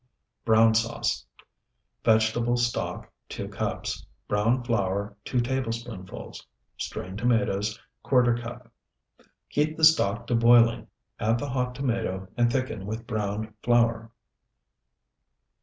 BROWN SAUCE Vegetable stock, 2 cups. Browned flour, 2 tablespoonfuls. Strained tomatoes, ¼ cup. Heat the stock to boiling, add the hot tomato, and thicken with browned flour.